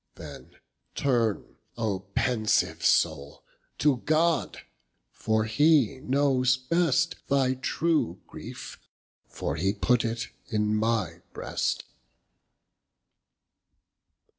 Then turne O pensive soule, to God, for he knows best Thy true griefe, for he put it in my breast.